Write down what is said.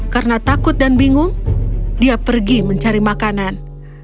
karena takut dan bingung dia pergi mencari makanan